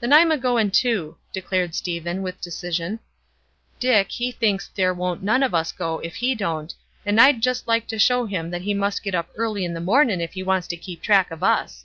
"Then I'm a goin', too," declared Stephen, with decision. "Dick, he thinks there won't none of us go if he don't; and I'd just like to show him that he must get up early in the mornin' if he wants to keep track of us."